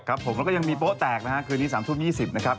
ครับผมแล้วก็ยังมีโป๊แตกนะฮะคืนนี้๓ทุ่ม๒๐นะครับ